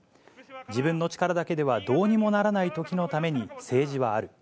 自分の力だけではどうにもならないときのために政治はある。